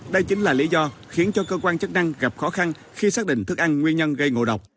đây chính là lý do khiến cho cơ quan chức năng gặp khó khăn khi xác định thức ăn nguyên nhân gây ngộ độc